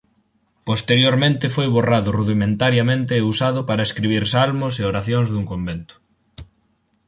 Posteriormente foi borrado rudimentariamente e usado para escribir salmos e oracións dun convento.